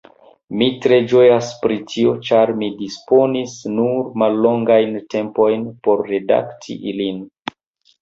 Mi tre ĝojas pri tio, ĉar mi disponis nur mallongajn tempojn por redakti ilin.